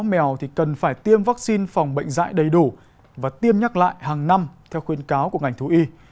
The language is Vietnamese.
chó mèo thì cần phải tiêm vaccine phòng bệnh dạy đầy đủ và tiêm nhắc lại hàng năm theo khuyên cáo của ngành thú y